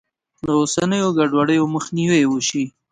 له اوسنیو ګډوډیو مخنیوی وشي.